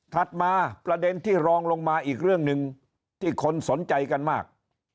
มาประเด็นที่รองลงมาอีกเรื่องหนึ่งที่คนสนใจกันมาก